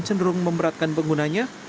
cenderung memberatkan penggunanya